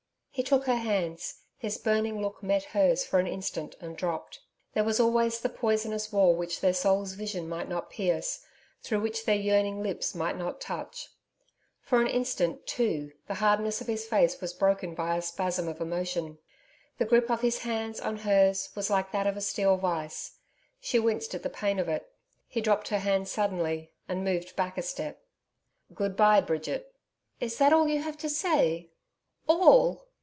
He took her hands; his burning look met hers for an instant and dropped. There was always the poisonous wall which their soul's vision might not pierce through which their yearning lips might not touch. For an instant too, the hardness of his face was broken by a spasm of emotion. The grip of his hands on hers was like that of a steel vice; she winced at the pain of it. He dropped her hands suddenly, and moved back a step. 'Good bye Bridget.' 'Is that all you have to say? All?'